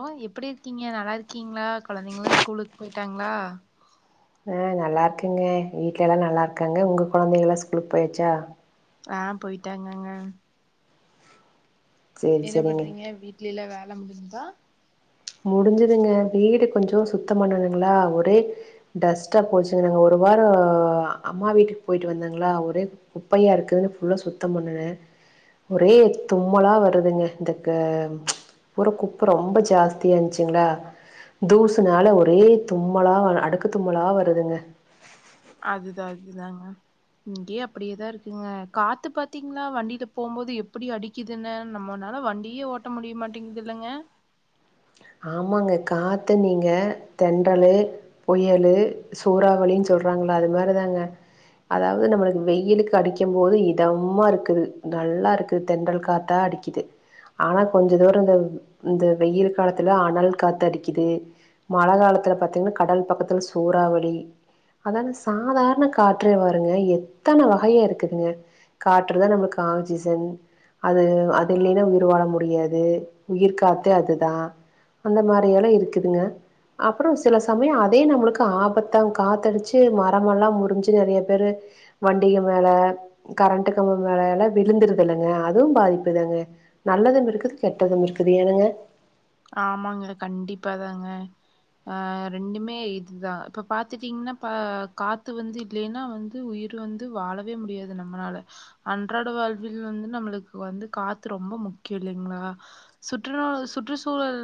அ எப்டி இருக்கீங்க நல்லா இருக்கீங்ளா கொழந்தைங்கல்லா ஸ்கூலுக்கு போயிட்டாங்களா ஆ நல்லா இருக்கங்க வீட்ல எல்லா நல்லா இருக்காங்க ஒங்க கொழந்தைங்க எல்லா ஸ்கூலுக்கு போயாச்சா ஆ போயிட்டாங்கங்க சேரி என்ன சேரிங்க பண்றீங்க வீட்ல எல்லா வேல முடுஞ்சுதா முடிஞ்சுதுங்க வீடு கொஞ்ச சுத்த பண்ணணுங்களா ஒரே டஸ்ட்டாக போச்சுங்க ஒரு வாரோ அம்மா வீட்டுக்கு போயிட்டு வந்தங்களா ஒரே குப்பையா இருக்குதுன் ஃபுல்லா சுத்த பண்ணுனே ஒரே தும்மலா வருதுங்க இந்த ஊர குப்ப ரொம்ப ஜாஸ்தி ச்சுங்ளா தூசுனால ஒரே தும்மலா அடுக்கு தும்மலா வருதுங்க அதுதா அதுதாங்க இங்கேயே அப்டியேதா இருக்குங்க காத்து பாத்தீங்ளா வண்டியில போம்போது எப்புடி அடி க்குதுன்னு நம்மனால வண்டியே ஓட்ட முடிய மாட்டேங்குது இல்லங்க ஆமாங்க காத்துனீங்க தென்றலு புயலு சூறாவளின் சொல்றாங்ளா அது மாரிதாங்க அதாவது நம்மளுக்கு வெயிலுக்கு அடிக்கு போது இதமாக இருக்குது நல்லா இருக்குது தென்றல் காத் தா அடிக்குது ஆனா கொஞ்ச தூரோ இந்த இந்த வெயிழுக்கு காலத்துல அனல் காத்து அடிக்குது மழ காலத்துல பாத்தீங்கன்னா கடல் பக்கத்துல சூறாவளி அதான சாதாரண காற்றே பாருங்க எத்தன வகையா இருக்குதுங்க காற்றுதா நம்மளுக்கு ஆங்க்சிசன் அது அது இல்லைனா உயிர் வாழ முடியாது உயிர் காத்தே அது தா அந்த மாரி எல்லா இருக்குதுங்க அப்புறோ சில சமய அதே நம்மளுக்கு ஆபத்தா காத்தடிச்சு மரமெல்லா முறிஞ்சு நெறய பேரு வண்டிக மேல கரண்ட் கம்பு மேல எல்லா விழுந்துருது இல்லங்க அதுவு பாதிப்புதாங்க நல்லதும் இருக்குது கெட்டதும் இருக்குது ஏனுங்க ஆமாங்க கண்டிப்பாதாங்க ஆ ரெண்டுமே இதுதா இப்ப பாத்துட்டீங்கனா ப காத்து வந்து இல்லைன்னா வந்து உயிர் வந்து வாழவே முடியாது நம்மளால அன்றாட வாழ்வில் வந்து நம்மளுக்கு வந்து காத்து ரொம்ப முக்கியோ இல்லைங்ளா சுற்றுலா சுற்று சூழல்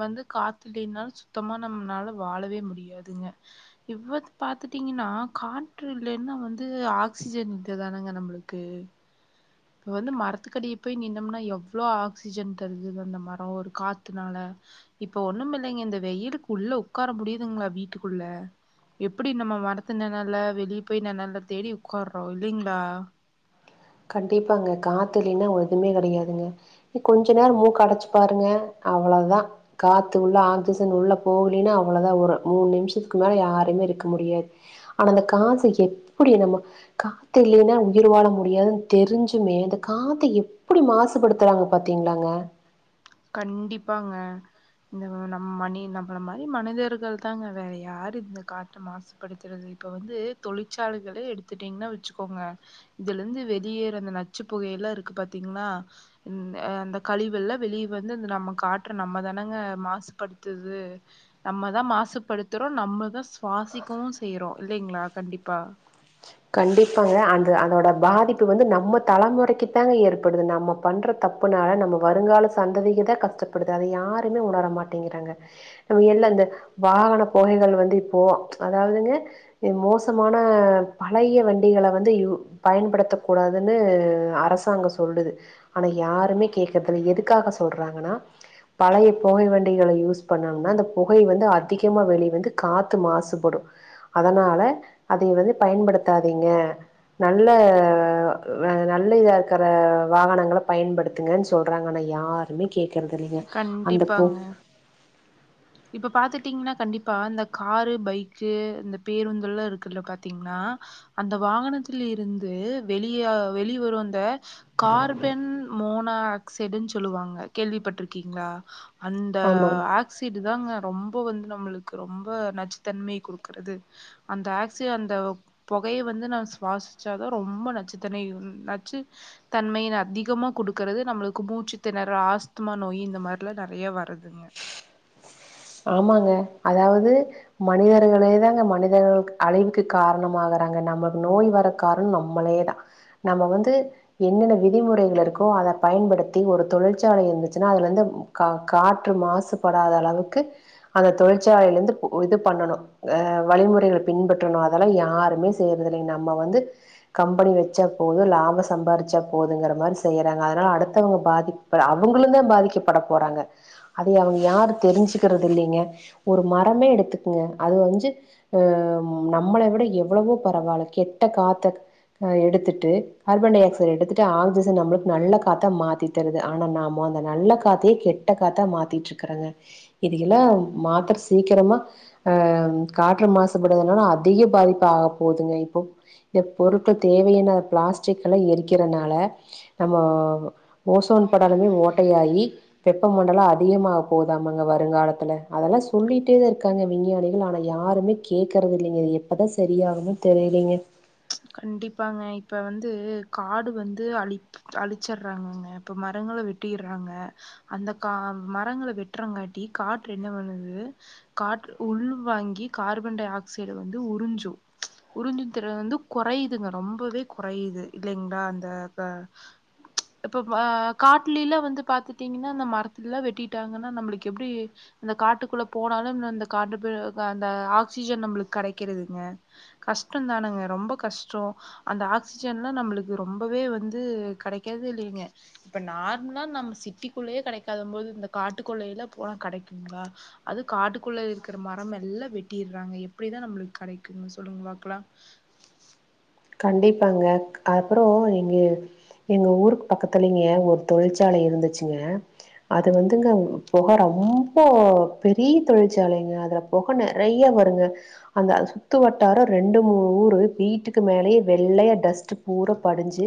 வந்து காத்துலேனாலு சுத்தமா நம்மனால வாழவே முடியாதுங்க இவ்வந்து பாத்துட்டீங்கன்னா காற்று இல்லைன்னா வந்து ஆக்சிஜன் இல்லதானுங்க நம்மளுக்கு ஓகே இப்ப வந்து மரத்துக்கடிய போய் நின்னோம்னா எவ்வளோ ஆக்சிஜன் தருது ந்த அந்த மரம் ஒரு காத்துனால இப்ப ஒண்ணும் இல்லைங்க இந்த வெயிலுக் உள்ள உக்கார முடியுதுங்களா வீட்டுக்குள்ள எப்டி நம்ம மரத்து நெனல்ல வெலி போய் நெனல்ல தேடி உக்காறோ இல்லைங்களா கண்டிப்பாங்க காத்தில்லனா ஒ எதுமே கெடயாதுங்க நீ கொஞ்ச நேரோ மூக்கடச்சி பாருங்க அவ்வளோதா காத்து உள்ள ஆக்சிஜன் உள்ள போலின்னா அவ்வளோதா ஒரு மூனு நிமிஷத்துக்கு மேல யாருமே இருக்க முடியாது ஆனா அந்த காஷ்சு எப்புடி நம்ம காத்து இல்லைன்னா உயிர் வாழ முடியாதுன்னு தெரிஞ்சுமே அந்த காத்த எப்பிடி மாசுபடுத்துறாங்க பாத்திங்களாங்க கண்டிப்பாங்க இந்த நம் மனி நம்மள மாரி மனிதர்கள் தாங்க வேற யாரு இந்த காற்று மாசு படுத்துறது இப்ப வந்து தொழிற்சாலைகள எடுத்துட்டீங்கன்னா வச்சுக்கோங்க இதுல இருந்து வெளியேற அந்த நச்சுப்புகை எல்லா இருக்கு பாத்தீங்களா இந் அந்த கழிவெல்லா வெளிய வந்து இந்த நம்ம காற்ற நம்ம தானங்க மாசுபடுத்துது நம்ம தா மாசுபடுத்துறோ நம்ம தா சுவாசிக்கவு செய்யிறோ இல்லைங்களா கண்டிப்பா கண்டிப்பாகங்க அந்த அதோட பாதிப்பு வந்து நம்ம தலைமுறைக்கு தாங்க ஏற்படுது நம்ம பண்ற தப்புனால நம்ம வருங்கால சந்ததிகதா கஷ்டப்படுது அத யாருமே உணர மாட்டேங்கிறாங்க நம எல்ல அந்த வாகன பொகைகள் வந்து இப்போ அதாவதுங்க எ மோசமான பழைய வண்டிகள வந்து இ பயன்படுத்தக்க கூடாதுன்னு அரசாங்க சொல்லுது ஆனா யாருமே கேக்குறது இல்ல எதுக்காக சொல்றாங்கனா பழைய புகை வண்டிகள யூஸ் பண்ணாங்கனா அந்த புகை வந்து அதிகமாக வெளி வந்து காத்து மாசுபடு அதனால அதை வந்து பயன்படுத்தாதீங்க நல்ல வெ நல்ல இதா இருக்குற வாகனங்கள பயன்படுத் ங்கன்னு சொல்றாங்க ஆனா யாருமே கேக்றது இல்லைங்க அந்த பொ இப்போ பாத்துட்டீங்கன்னா கண்டிப்பாக இந்த காரு பைக்கு இந்த பேருந்துல்லா இருக்குல்ல பாத்தீங்ன்னா அந்த வாகனத்தில இருந்து வெளிய வெளி வரு அந்த கார்பன் மோனாக்சைடுன்னு சொல்லுவாங்க கேள்விப்பட்டிருக்கீங்களா அந்த ஆமா ஆக் ஆக்சைடு தாங்க ரொம்ப வந்து நம்மளுக்கு ரொம்ப நச்சுத்தன்மை குடுக்குறது அந்த ஆக்சி அந்த பொகைய வந்து நா சுவாசிச்சாதா ரொம்ப நச்சுத்தன்மே நச்சு தன்மைய அதிகமா குடுக்குறது நம்மளுக்கு மூச்சு திணறல் ஆஸ்துமா நோய் இந்த மாரிலா நெறைய வருதுங்க ஆமாங்க அதாவது மனிதர்களே தாங்க மனிதர்கள் அழிவுக்கு காரணமாகுறாங்க நம்மளுக்கு நோய் வர காரணோ நம்மளே தா நம்ம வந்து என்னென்ன விதிமுறைகள் இருக்கோ அத பயன்படுத்தி ஒரு தொழிற்சாலை இருந்துச்சுன்னா அதுல இருந்து கா காற்று மாசுபடாத அளவுக்கு அந்த தொழிற்சாலையில இருந்து உ இது பண்ணனு அ வழிமுறைகளை பின்பற்றனு அதெல்லா யாருமே செய்றது இல்லைங்க நம்ம வந்து கம்பெனி வச்சா போது லாப சம்பாரிச்சா போதுங்குற மாரி செய்றாங்க அதனால அடுத்தவங்க பாதிப் அவங்களு தா பாதிக்கப்பட போறாங்க அதை அவங்க யாரு தெரிஞ்சு கிறது இல்லைங்க ஒரு மரமே எடுத்துக்குங்க அது வந்து அ நம்மள விட எவ்வளவோ பரவாயில்ல கெட்ட காத்த எடுத்துட்டு கார்பன் டை ஆக்சைடு எடுத்துட்டு ஆக்சிஜன் நம்மளுக்கு நல்லா காத்தா மாத்தி தருது ஆனா நாம அந்த நல்ல காத்தையே கெட்ட காத்தா மாத்திட்டு இருக்கறேங்க இது எல்லா மாத்திர சீக்கிரமா ஆ காற்று மாசுபடுறதுனால அதிக பாதிப்பு ஆக போதுங்க இப்போ இந்த பொருட்கள் தேவையின்னா பிளாஸ்டிக் எல்லா எரிக்கிறதுனால நம்ம ஓசோன் படலமே ஓட்டையாயி வெப்ப மண்டல அதிகமாக போதாமாங்க வ வருங்காலத்தில அதெல்லா சொல்லிட்டே தா இருக்காங்க விஞ்ஞானிகள் ஆனா யாருமே கேக்கறது இல்லிங்க எப்படி எப்பதா சரியாகுன்னே தெரிலங்க கண்டிப்பாங்க இப்ப வந்து காடு வந்து அழிச் அழிச்சறாகங்க இப்ப மரங்க வெட் வெட்டிறாங்க அந்த கா மரங்கள வெட்டறங்காட்டி காற்று என்ன பண்ணுது காற்று உள் வாங்கி கார்பன் டை ஆக்சைடு வந்து உறிஞ்சு உறிஞ்சு திறன் வந்து கொறையுதுங்க ரொம்பவே கொறையுது இல்லிங்களா அந்த இப்ப ஆ காட்டுலில்ல வந்து பாத்துட்டீங்கன்னா இந்த மரத்துலெல்லா வெட்டிட்டாங்கன்னா நம்மளுக்கு எப்டி அந்த காட்டுக்குள்ள போனாலு அந்த [unintelligible] அந்த ஆக்சிஜன் நம்மளுக்கு கெடைக்கிறதுங்க கஷ்டந்தானுங்க ரொம்ப கஷ்டோ அந்த ஆக்சிஜன் எல்லா நம்மளுக்கு ரொம்பவே வந்து கெடைக்கிறதே இல்லிங்க இப்ப நார்மலா நம்ம சிட்டிக்குள்ளேயே கெடைக்காத போது இந்த காட்டுக்குள்ள எல்ல போனா கெடைக்குங்களா அது காட்டுக்குள்ள இருக்கிற மரம் எல்லா வெட்டிறாங்க எப்டிதா நம்மளுக்கு கெடைக்குங் சொல்லுங்க பாக்கலா கண்டிப்பாங்க அப்றோ இங்கே எங்க ஊருக்கு பக்கத்துலங்க ஒரு தொழிற்சாலை இருந்துச்சுங்க அது வந்துங்க பொக ரொம்ப பெரிய தொழிற்சாலைங்க அதுல பொக நெறைய வருங்க அந்த சுத்து வட்டாரோ ரெண்டு மூணு ஊர் வீட்டுக் அதுக்கு மேலயே வெள்ளையா டஸ்ட்டு பூரா படிஞ்சு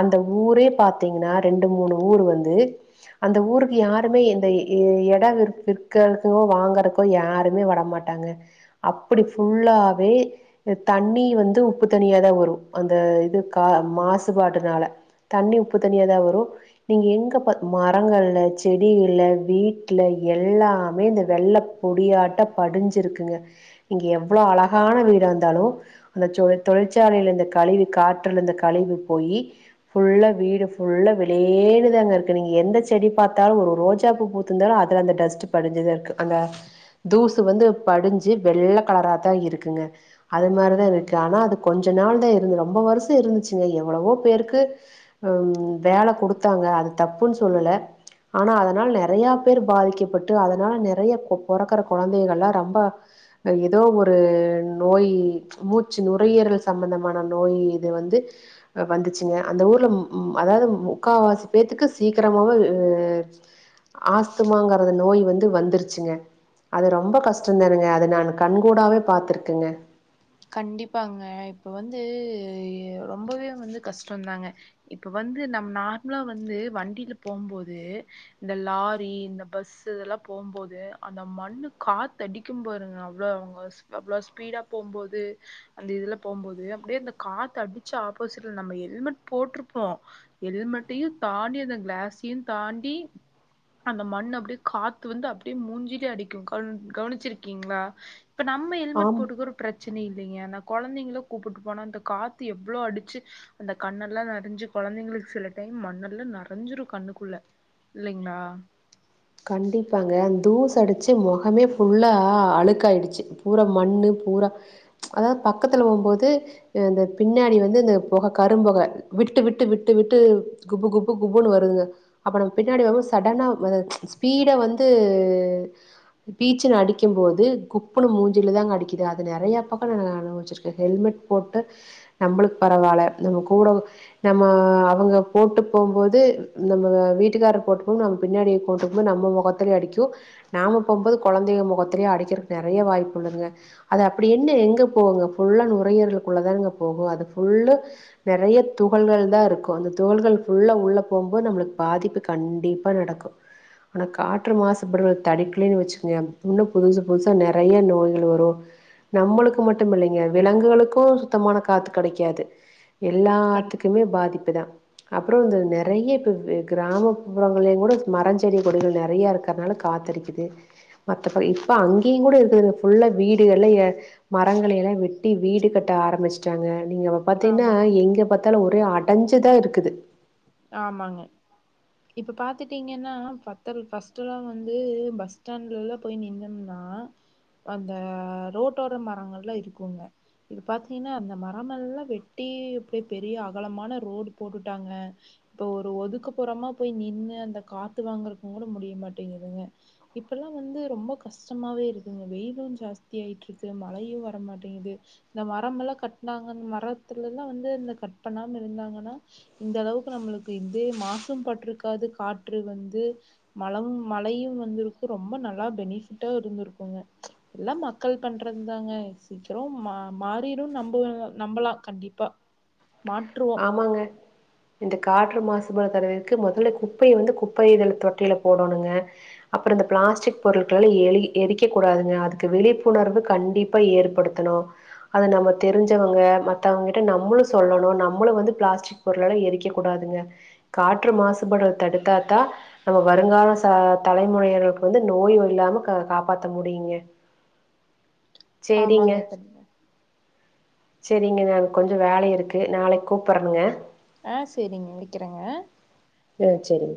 அந்த ஊரே பாத்தீங்கன்னா ரெண்டு மூணு ஊர் வந்து அந்த ஊருக்கு யாருமே இந்த எடோ விற் விற்கிறதுக்கோ வாங்கறக்கோ யாருமே வரமாட் டாங்க அப்பிடி ஃபுல்லாவே தண்ணி வந்து உப்பு தண்ணியா தா வரு அந்த இது கா மாசுபாடுனால தண்ணி உப்பு தண்ணியா தா வரு நீங்கள் எங்க பாத் மரங்கள்ல செடிகள்ல வீட்ல எல்லாமே இந்த வெள்ள பொடியாட்ட படிஞ்சி இருக்குங்க இங்க எவ்ளோ அழகான வீடா இருந்தாலு அந்த தொழிற்சாலைல இருந்து கழிவு காற்றுல இந்த கழிவு போயி ஃபுல்லா வீடு ஃபுல்லா வெளேனு தாங்க இருக்கு நீங்க எந்த செடி பாத்தாலு ஒரு ரோஜா பூ பூத் துருந்தாலு அதுல அந்த டஸ்ட்டு படிஞ்சு தா இருக்கு அந்த தூசு வந்து படிஞ்சு வெள்ள காலரா தா இருக்குங்க அதுமாரிதா இருக்கு ஆமாங்க ஆனா அதுக் கொஞ்ச நாள் தா இருந்தது ரொம்ப வருஷோ இருந்துச்சுங்க எவ்ளவோ பேருக்கு ம் வேல குடுத்தாங்க அது தப்புன்னு சொல்லலே ஆனா அதனால நெறையா பேர் பாதிக்கப்பட்டு அதனால நெறைய பொ பொறக்கற கொழந்தைகள்ல ரொம்ப ஏதோ ஒரு நோயி மூச்சு நோ நுறையிரல் சம்பந்தமான நோயி இது வந்து வந்துச்சுங்க அந்த ஊர்ல ம் ம் அதாவது ம் முக்கால்வாசி பேர்த்துக்கு சீக்கிரமாவ அ ஆஸ்துமாங்கறத நோய் வந்து வந்துருச்சுங்க அது ரொம்ப கஷ்டந்தானுங்க அது நா கண்கூடாவே பாத்திருக்கேங்க கண்டிப்பாங்க இப்ப வந்து ரொம்பவே வந்து கஷ்டந்தாங்க இப்ப வந்து நம்ம நார்மலா வந்து வண்டில போம்போது இந்த லாரி இந்த பஸ்சு இதெல்லா போம்போது அந்த மண்ணு காத்தடிக் கு பாருங்க அவ்ளோ அவங்க அவ்ளோ ஸ்பீடா போம்போது அந்த இதுல போம்போது அப்டியே அந்த காத்து அடிச்சு ஆப்போசிட்ல நம்ம ஹெல்மெட் போட்டிருப்போ ஹெல்மெட்டையு தாண்டி அந்த கிளாஸையு தாண்டி அந்த மண்ணு அப்டியே காத்து வந்து அப்டியே மூஞ்சிலயே அடிக்கு கவ் கவனிச்சிருக்கீங்களா இப்ப நம்ம ஹெமெட் ஆம். போட்டுக்குறோ பிரச்சன இல்லைங்க ஆனா கொழந்தைங்களு கூப்ட்டு போனா அந்த காத்து எவ்ளோ அடிச்சி அந்த கண்ணெல்லா நெறஞ்சி கொழந்தைங்களுக்கு சில டைம் மண்ணெல்லா நெறஞ்சிரு கண்ணுக்குள்ள இல்லைங்களா கண்டிப்பாங்க அந்த தூசு அடிச்சு மொகமே ஃபுல்லா அழுக்காயிடுச்சி பூரா மண்ணு பூரா அதாவது பக்கத்துல போம்போது இந்த பின்னாடி வந்து இந்த பொக கரும்பொக விட்டு விட்டு விட்டு விட்டு குபு குபு குபுன்னு வருதுங்க அப்ப நம்ம பின்னாடி வரும்போது சடனா வ ஸ்பீட வந்து பீச்சுன்னு அடிக்கும் போது குப்புன்னு மூஞ்சில தாங்க அடிக்குது அது நெறையா பக்கோ நாங்க அனுபவச்சி ஹெல்மெட் போட்டு நம்மளுக்கு பரவால்ல நம்ம கூட நம்ம அவங்க போட்டு போம் போது நம்ம வீட்டுக்காரர் போட்டு போம்போது நம்ம பின்னாடி இருப்போ ட்டு நம்ம மொகத்துலயு அடிக்கு நாம போம்போது கொழந்தைக மொகத்துலயு அடிக்கிறதுக்கு நெறையா வாய்ப்பு உள்ளதுங்க அது அப்டி என்ன எங்க போகுங்க ஃபுல்லா நுரையீரலுக்குள்ள தானுங்க போகு அது ஃபுல்லு நெறையா துகள்கள் தா இருக்கு அந்த துகள்கள் ஃபுல்லா உள்ள போம்போது நம்மளுக்கு பாதிப்பு கண்டிப்பா நடக்கு ஆனா காற்று மாசப்படுறத தடுக்கலேன்னு வச்சுக்கோங்க இன்னு புதுசு புதுசா நெறையா நோய்கள் வரு நம்மளுக்கு மட்டு இல்லைங்க விலங்குகளுக்கு சுத்தமான காத்து கெடைக்காது எல்லாத்துக்குமே கண்டிப்பாங்க பாதிப்புதா அப்பறோ இந்த நெறையப் இது கிராமப்புறங்களையு கூட மரஞ்செடி கொடிகள் நெறையா இருக்கர்னால காத்தடிக்கிது மத்தப்படி இப்ப அங்கேயு கூட இருக்கு இதுல ஃபுல்லா வீடுகள்ல ஏ மரங்கள எல்லா வெட்டி வீடு கட்ட ஆரம்பிச்ட்டாங்க நீங்க வ பாத்தீங்ன்னா ஆமாங்க எங்க பாத்தாலு ஒரே அடஞ்சதா இருக்குது ஆமாங்க இப்போ பாத்துட்டீங்கன்னா பத்தல் ஃபர்ஸ்ட்டெல்லா வந்து பஸ் ஸ்டாண்ட்ல எல்லா போய் நின்னம்னா அந்த ரோட்டோர மரங்கள்லா இருக்குங்க இது பாத்தீங்கன்னா அந்த மரமெல்லா வெட்டி இப்ப பெரிய அகலமான ரோடு போட்டுட்டாங்க இப்ப ஒரு ஒதுக்குப்புறமா போய் நின்னு அந்த காத்து வாங்குறக்கு கூட முடிய மாட்டேங்கிதுங்க இப்பெல்லா வந்து ரொம்ப கஷ்டமவே இருக்குங்க வெயிலு ஜாஸ்தி ஆயிட்டுருக்கு மழயு வரமாட்டேங்கிது இந்த மரமெல்லா கட்னாங்கன் மரத்துலல்லா வந்து இந்த கட் பண்ணாம இருந்தாங்கன்னா இந்த அளவுக் நம்ளுக்கு இந்தே மாசு பட்ருக்காது காற்று வந்து மழம் மழயு வந்திருக்கு ரொம்ப நல்லா பெனிபிட்டா இருந்துருக்குங்க எல்லா மக்கள் பண்றதுதாங்க சீக்கிரோ மா மாறிடு நம்பல் நம்பலா கண்டிப்பா மாற்று மாங்க இந்த காற்று மாசுபாட தடுக்குறக்கு மொதல்ல குப்பைய வந்து குப்பை இதழ் தொட்டில போடணுங்க அப்பறோ இந்த பிளாஸ்டிக் பொருட்களல்லா எலி எரிக்ககூடாதுங்க அதுக்கு விழிப்புணர்வு கண்டிப்பா ஏற்படுத் தனு அத நம்ம தெரிஞ்சவங்க மத்தவங்க கிட்ட நம்லு சொல்லணு நம் மளு வந்து பிளாஸ்டிக் பொருளல்லா எரிக்க கூடாதுங்க காற்று மாசுபடுவத தடுத்தாத்தா நம்ம வருங்கால ச தலைமுறையர்களுக்கு வந்து நோய்கள் இல்லாம க காப்பாத்த முடியுங்க சேரிங்க ஆமாங்க கண்டிப்பா சேரிங்க நா எனக்கு கொஞ்சோ வேல இருக்கு நாளைக் கூப்ட்றணுங்க ஆ சேரிங்க வைகிறேங்க சேர் சேரி